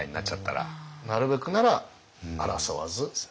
なるべくなら争わず。